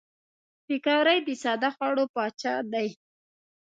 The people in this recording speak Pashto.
پکورې د ساده خوړو پاچا دي